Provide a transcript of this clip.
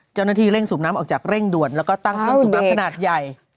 เจ้าหน้าที่เร่งสูบน้ำออกจากเร่งด่วนแล้วก็ตั้งเครื่องสูบน้ำขนาดใหญ่